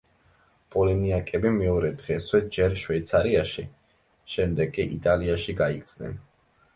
პოლინიაკები მეორე დღესვე ჯერ შვეიცარიაში, შემდეგ კი იტალიაში გაიქცნენ.